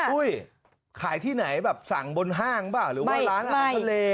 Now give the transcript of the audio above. อุ้ยขายที่ไหนแบบสั่งบนห้างเปล่าหรือว่าร้านอาหารทะเล